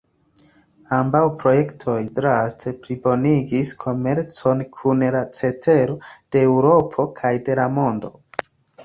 Ambaŭ projektoj draste plibonigis komercon kun la cetero de Eŭropo kaj de la mondo.